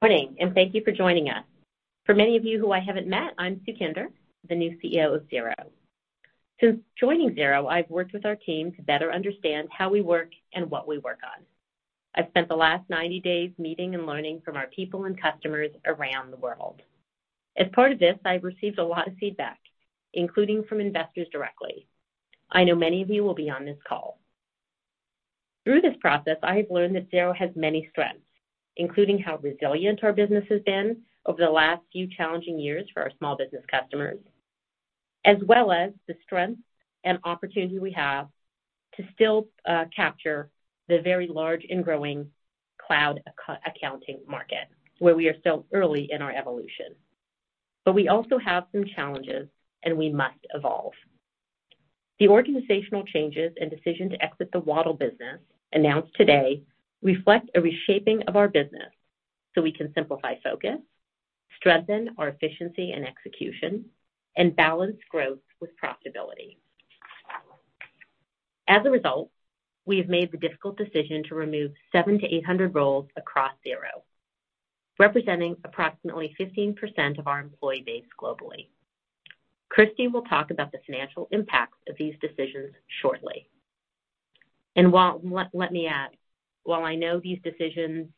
Morning, thank you for joining us. For many of you who I haven't met, I'm Sukhinder, the new CEO of Xero. Since joining Xero, I've worked with our team to better understand how we work and what we work on. I've spent the last 90 days meeting and learning from our people and customers around the world. As part of this, I received a lot of feedback, including from investors directly. I know many of you will be on this call. Through this process, I have learned that Xero has many strengths, including how resilient our business has been over the last few challenging years for our small business customers, as well as the strengths and opportunity we have to still capture the very large and growing cloud accounting market where we are still early in our evolution. We also have some challenges, and we must evolve. The organizational changes and decision to exit the Waddle business announced today reflect a reshaping of our business so we can simplify focus, strengthen our efficiency and execution, and balance growth with profitability. As a result, we have made the difficult decision to remove 700-800 roles across Xero, representing approximately 15% of our employee base globally. Kirsty will talk about the financial impacts of these decisions shortly. While I know these decisions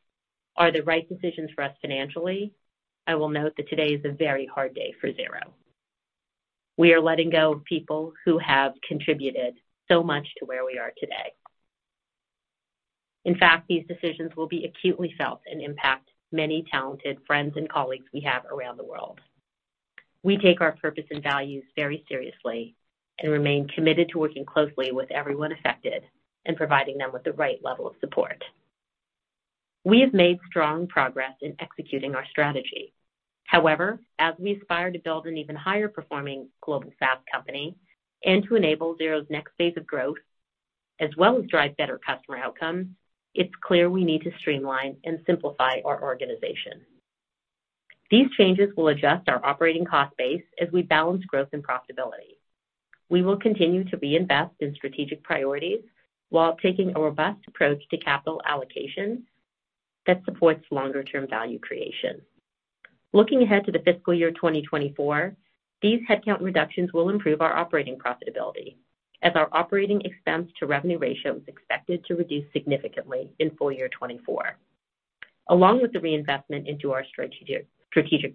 are the right decisions for us financially, I will note that today is a very hard day for Xero. We are letting go of people who have contributed so much to where we are today. In fact, these decisions will be acutely felt and impact many talented friends and colleagues we have around the world. We take our purpose and values very seriously and remain committed to working closely with everyone affected and providing them with the right level of support. We have made strong progress in executing our strategy. However, as we aspire to build an even higher performing global SaaS company and to enable Xero's next phase of growth, as well as drive better customer outcomes, it's clear we need to streamline and simplify our organization. These changes will adjust our operating cost base as we balance growth and profitability. We will continue to reinvest in strategic priorities while taking a robust approach to capital allocation that supports longer term value creation. Looking ahead to the fiscal year 2024, these headcount reductions will improve our operating profitability as our operating expense to revenue ratio is expected to reduce significantly in full year 2024. Along with the reinvestment into our strategic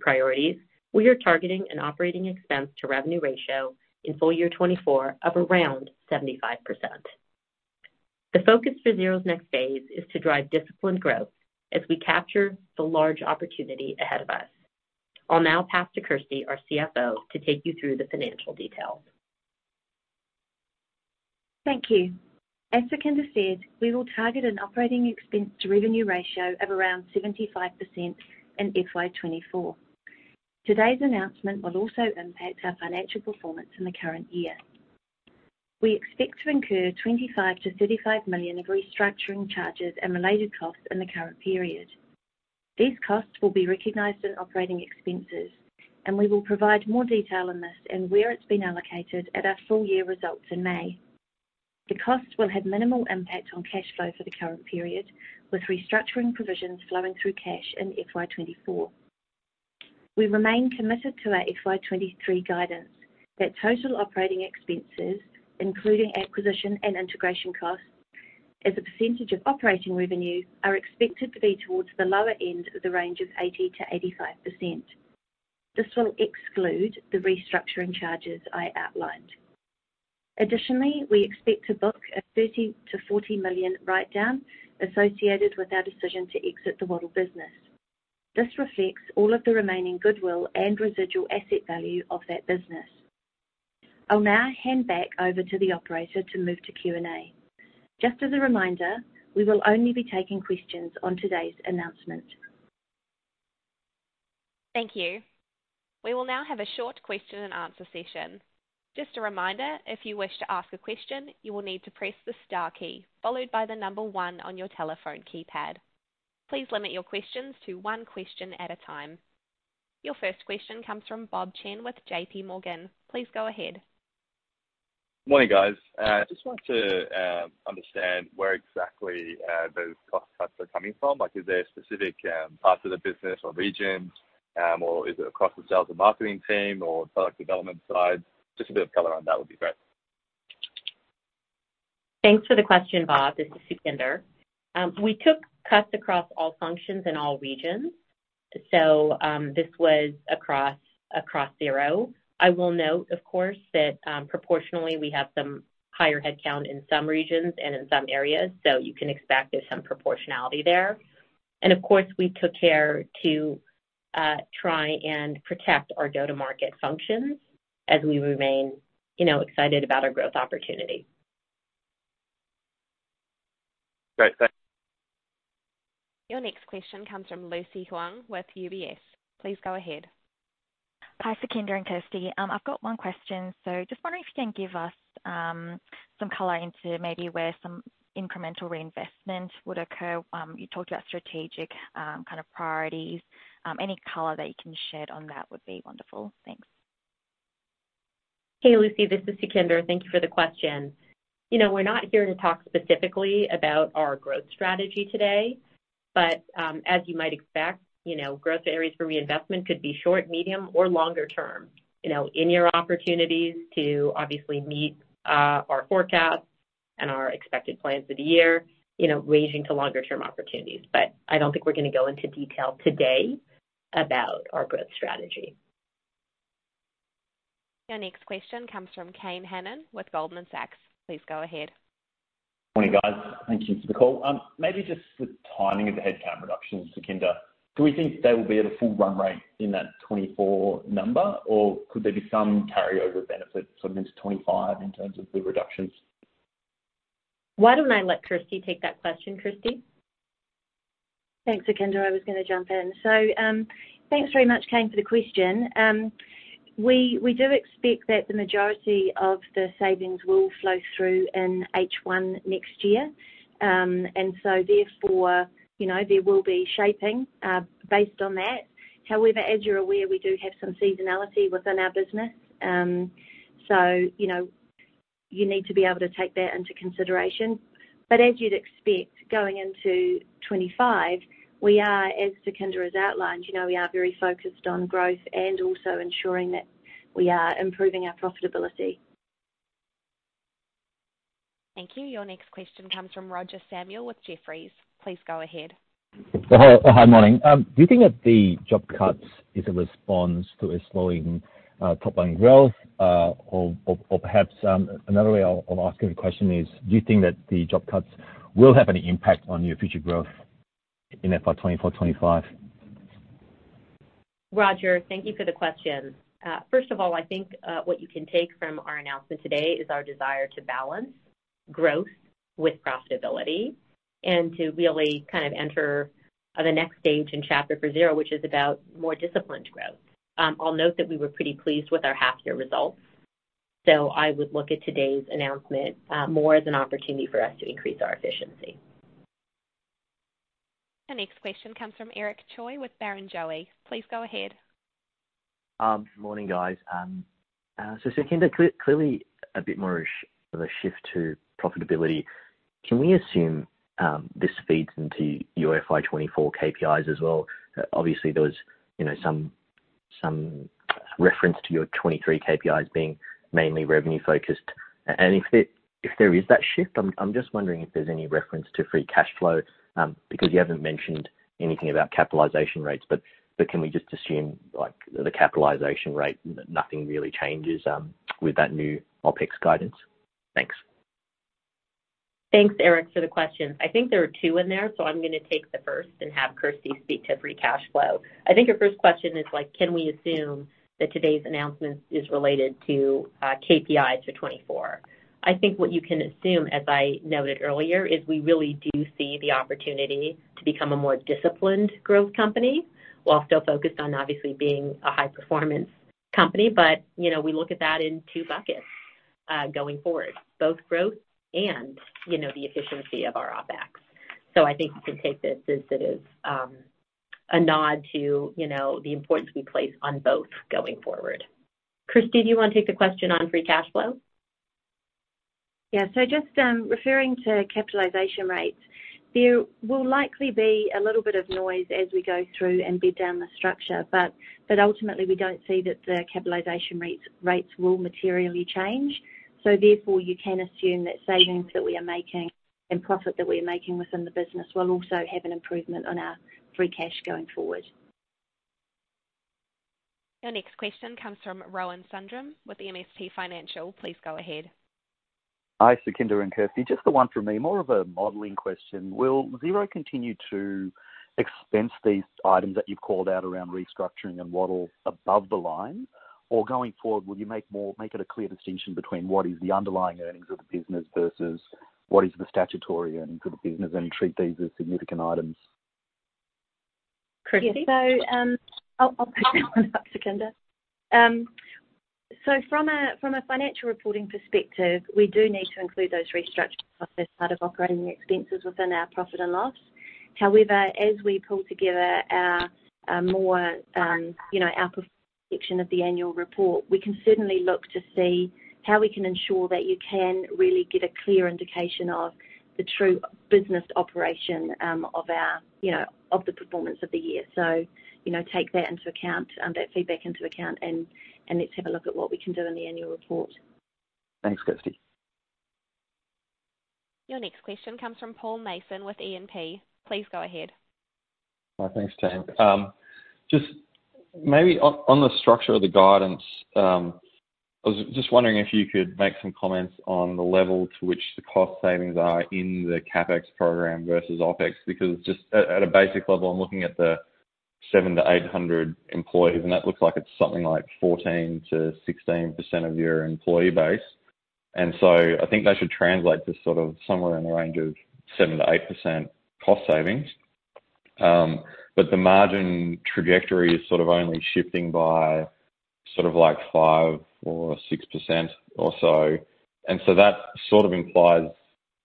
priorities, we are targeting an operating expense to revenue ratio in FY 2024 of around 75%. The focus for Xero's next phase is to drive disciplined growth as we capture the large opportunity ahead of us. I'll now pass to Kirsty, our CFO, to take you through the financial details. Thank you. As Sukhinder said, we will target an operating expense to revenue ratio of around 75% in FY 2024. Today's announcement will also impact our financial performance in the current year. We expect to incur 25 million-35 million of restructuring charges and related costs in the current period. These costs will be recognized in operating expenses, and we will provide more detail on this and where it's been allocated at our full year results in May. The cost will have minimal impact on cash flow for the current period, with restructuring provisions flowing through cash in FY 2024. We remain committed to our FY 2023 guidance that total operating expenses, including acquisition and integration costs as a percentage of operating revenue, are expected to be towards the lower end of the range of 80%-85%. This will exclude the restructuring charges I outlined. Additionally, we expect to book a 30 million-40 million write-down associated with our decision to exit the Waddle business. This reflects all of the remaining goodwill and residual asset value of that business. I'll now hand back over to the operator to move to Q&A. Just as a reminder, we will only be taking questions on today's announcement. Thank you. We will now have a short question-and-answer session. Just a reminder, if you wish to ask a question, you will need to press the star key followed by the number one on your telephone keypad. Please limit your questions to one question at a time. Your first question comes from Bob Chen with J.P. Morgan. Please go ahead. Morning, guys. Just want to understand where exactly those cost cuts are coming from. Like, is there specific parts of the business or regions, or is it across the sales and marketing team or product development side? Just a bit of color on that would be great. Thanks for the question, Bob. This is Sukhinder. We took cuts across all functions in all regions. This was across Xero. I will note, of course, that proportionally, we have some higher headcount in some regions and in some areas, so you can expect there's some proportionality there. Of course, we took care to try and protect our go-to-market functions as we remain, you know, excited about our growth opportunity. Great. Thanks. Your next question comes from Lucy Huang with UBS. Please go ahead. Hi, Sukhinder and Kirsty. I've got one question. Just wondering if you can give us some color into maybe where some incremental reinvestment would occur. You talked about strategic kind of priorities. Any color that you can shed on that would be wonderful. Thanks. Hey, Lucy, this is Sukhinder. Thank you for the question. You know, we're not here to talk specifically about our growth strategy today. As you might expect, you know, growth areas for reinvestment could be short, medium, or longer term. You know, in-year opportunities to obviously meet our forecasts and our expected plans of the year, you know, ranging to longer term opportunities. I don't think we're gonna go into detail today about our growth strategy. Your next question comes from Kane Hannan with Goldman Sachs. Please go ahead. Morning, guys. Thank you for the call. Maybe just the timing of the headcount reduction, Sukhinder. Do we think they will be at a full run rate in that 2024 number, or could there be some carryover benefit sort of into 2025 in terms of the reductions? Why don't I let Kirsty take that question? Kirsty. Thanks, Sukhinder. I was gonna jump in. Thanks very much, Kane, for the question. We do expect that the majority of the savings will flow through in H1 next year. Therefore, you know, there will be shaping based on that. However, as you're aware, we do have some seasonality within our business. You know, you need to be able to take that into consideration. As you'd expect going into 2025, we are, as Sukhinder has outlined, you know, we are very focused on growth and also ensuring that we are improving our profitability. Thank you. Your next question comes from Roger Samuel with Jefferies. Please go ahead. Hi. Hi, morning. Do you think that the job cuts is a response to a slowing, top-line growth? Perhaps, another way I'll ask you the question is, do you think that the job cuts will have any impact on your future growth in FY 2024/2025? Roger, thank you for the question. First of all, I think, what you can take from our announcement today is our desire to balance growth with profitability and to really kind of enter, the next stage in chapter for Xero, which is about more disciplined growth. I'll note that we were pretty pleased with our half-year results, so I would look at today's announcement, more as an opportunity for us to increase our efficiency. Your next question comes from Eric Choi with Barrenjoey. Please go ahead. Morning, guys. Sukhinder, clearly a bit more of a shift to profitability. Can we assume this feeds into your FY 2024 KPIs as well? Obviously, there was, you know, some reference to your 2023 KPIs being mainly revenue-focused. If there is that shift, I'm just wondering if there's any reference to free cash flow, because you haven't mentioned anything about capitalization rates. Can we just assume, like, the capitalization rate, nothing really changes with that new OpEx guidance? Thanks. Thanks, Eric, for the question. I think there were two in there. I'm gonna take the first and have Kirsty speak to free cash flow. I think your first question is, like, can we assume that today's announcement is related to KPI to 2024? I think what you can assume, as I noted earlier, is we really do see the opportunity to become a more disciplined growth company while still focused on obviously being a high performance company. You know, we look at that in two buckets going forward, both growth and, you know, the efficiency of our OpEx. I think you can take this as it is, a nod to, you know, the importance we place on both going forward. Kirsty, do you wanna take the question on free cash flow? Referring to capitalization rates, there will likely be a little bit of noise as we go through and bid down the structure, but ultimately, we don't see that the capitalization rates will materially change. Therefore, you can assume that savings that we are making and profit that we are making within the business will also have an improvement on our free cash going forward. Your next question comes from Rohan Sundram with MST Financial. Please go ahead. Hi, Sukhinder and Kirsty. Just the one from me, more of a modeling question. Will Xero continue to expense these items that you've called out around restructuring and model above the line? Going forward, will you make it a clear distinction between what is the underlying earnings of the business versus what is the statutory earnings of the business and treat these as significant items? Kirsty? I'll pick that one up, Sukhinder. From a financial reporting perspective, we do need to include those restructuring costs as part of operating expenses within our P&L. As we pull together our more, you know, our section of the annual report, we can certainly look to see how we can ensure that you can really get a clear indication of the true business operation of our, you know, of the performance of the year. You know, take that into account, that feedback into account, and let's have a look at what we can do in the annual report. Thanks, Kirsty. Your next question comes from Paul Mason with E&P. Please go ahead. Thanks, team. Just maybe on the structure of the guidance, I was just wondering if you could make some comments on the level to which the cost savings are in the CapEx program versus OpEx. Because just at a basic level, I'm looking at the 700-800 employees, and that looks like it's something like 14%-16% of your employee base. I think that should translate to sort of somewhere in the range of 7%-8% cost savings. But the margin trajectory is sort of only shifting by sort of like 5% or 6% or so. That sort of implies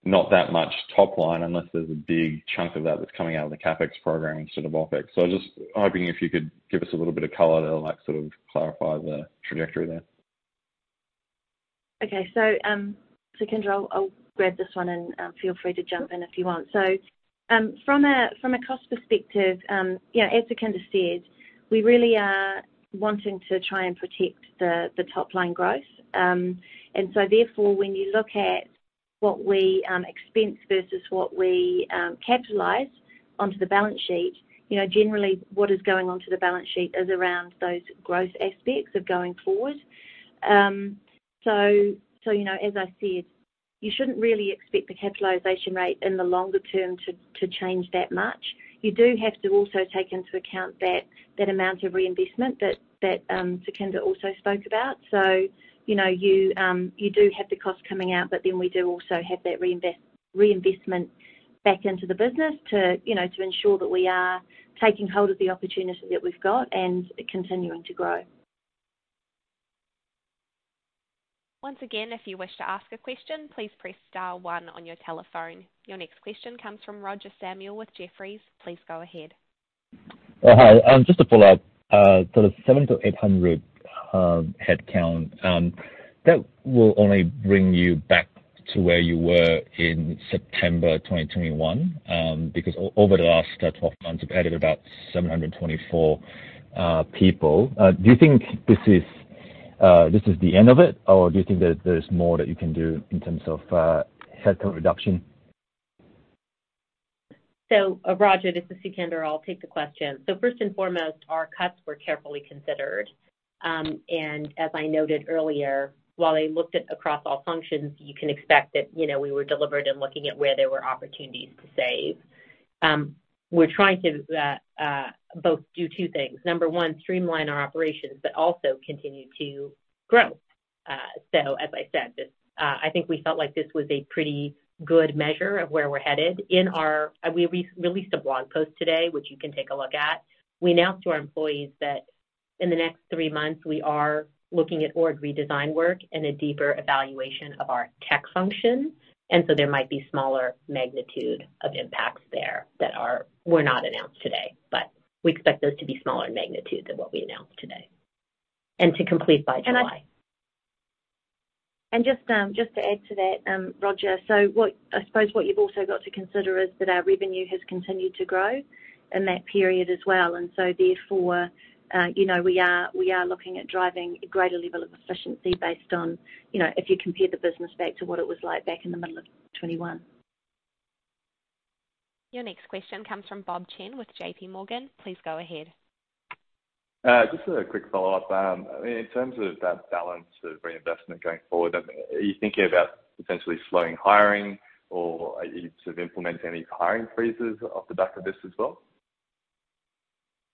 not that much top line, unless there's a big chunk of that that's coming out of the CapEx program instead of OpEx. I was just hoping if you could give us a little bit of color to like sort of clarify the trajectory there. Okay. Sukhinder, I'll grab this one and feel free to jump in if you want. From a, from a cost perspective, you know, as Sukhinder said, we really are wanting to try and protect the top-line growth. When you look at what we expense versus what we capitalize onto the balance sheet, you know, generally what is going onto the balance sheet is around those growth aspects of going forward. You know, as I said, you shouldn't really expect the capitalization rate in the longer term to change that much. You do have to also take into account that amount of reinvestment that Sukhinder also spoke about. You know, you do have the cost coming out, but then we do also have that reinvestment back into the business to, you know, to ensure that we are taking hold of the opportunity that we've got and continuing to grow. Once again, if you wish to ask a question, please press star one on your telephone. Your next question comes from Roger Samuel with Jefferies. Please go ahead. Hi. Just to follow up, sort of 700-800 headcount that will only bring you back to where you were in September 2021, because over the last 12 months, you've added about 724 people. Do you think this is the end of it, or do you think that there's more that you can do in terms of headcount reduction? Roger, this is Sukhinder. I'll take the question. First and foremost, our cuts were carefully considered. As I noted earlier, while I looked at across all functions, you can expect that, you know, we were deliberate in looking at where there were opportunities to save. We're trying to both do two things. Number one, streamline our operations, but also continue to grow. As I said, I think we felt like this was a pretty good measure of where we're headed in our. We re-released a blog post today, which you can take a look at. We announced to our employees that in the next three months, we are looking at org redesign work and a deeper evaluation of our tech functions. There might be smaller magnitude of impacts there that were not announced today, but we expect those to be smaller in magnitude than what we announced today and to complete by July. Just to add to that, Roger, I suppose what you've also got to consider is that our revenue has continued to grow in that period as well. Therefore, you know, we are, we are looking at driving a greater level of efficiency based on, you know, if you compare the business back to what it was like back in the middle of 2021. Your next question comes from Bob Chen with J.P. Morgan. Please go ahead. Just a quick follow-up. In terms of that balance of reinvestment going forward, are you thinking about potentially slowing hiring or are you sort of implementing any hiring freezes off the back of this as well?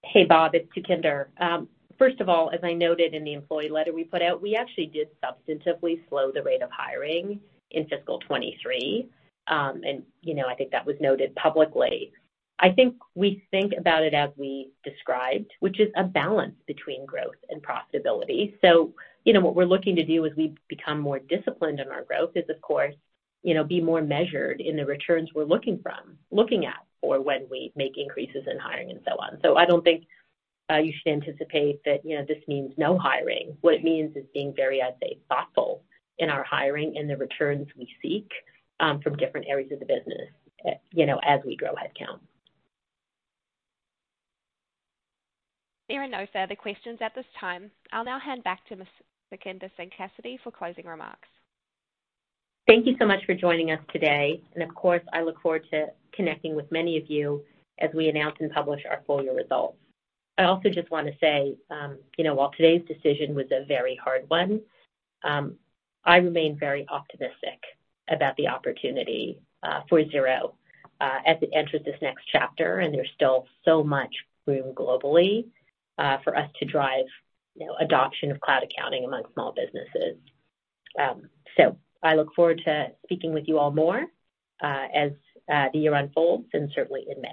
Hey, Bob, it's Sukhinder. First of all, as I noted in the employee letter we put out, we actually did substantively slow the rate of hiring in FY 2023. You know, I think that was noted publicly. I think we think about it as we described, which is a balance between growth and profitability. You know, what we're looking to do as we become more disciplined in our growth is, of course, you know, be more measured in the returns we're looking at for when we make increases in hiring and so on. I don't think you should anticipate that, you know, this means no hiring. What it means is being very, I'd say, thoughtful in our hiring and the returns we seek from different areas of the business, you know, as we grow headcount. There are no further questions at this time. I'll now hand back to Ms. Sukhinder Singh Cassidy for closing remarks. Thank you so much for joining us today. I look forward to connecting with many of you as we announce and publish our full year results. I also just wanna say, you know, while today's decision was a very hard one, I remain very optimistic about the opportunity for Xero as it enters this next chapter, and there's still so much room globally for us to drive, you know, adoption of cloud accounting among small businesses. I look forward to speaking with you all more as the year unfolds and certainly in May.